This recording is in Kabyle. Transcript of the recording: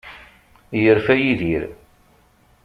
Yerfa Yidir.